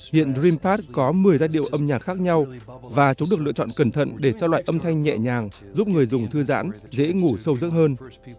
hiện dreampad có một mươi giai điệu âm nhạc khác nhau và chúng được lựa chọn cẩn thận để cho loại âm thanh nhẹ nhàng giúp người dùng thư giãn dễ ngủ sâu rộng hơn